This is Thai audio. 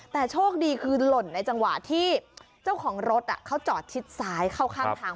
แต่โชคดีคือหล่นในจังหวะที่เจ้าของรถเขาจอดชิดซ้ายเข้าข้างทาง